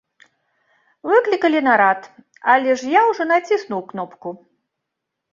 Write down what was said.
Выклікалі нарад, але ж я ўжо націснуў кнопку.